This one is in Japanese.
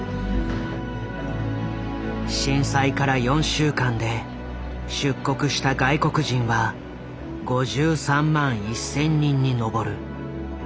震災から４週間で出国した外国人は５３万１，０００人に上る。